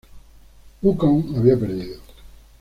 Wukong había perdido.